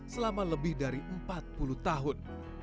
selama lebih dari empat puluh tahun